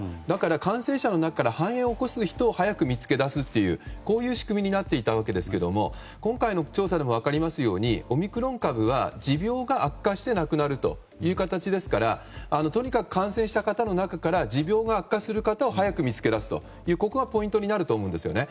だから感染者の中から肺炎を起こす人を早く見つけ出すという仕組みになっていましたが今回の調査でも分かりますようにオミクロン株は持病が悪化して亡くなるという形ですからとにかく感染した方の中から持病が悪化する方を早く見つけ出すということがポイントになると思います。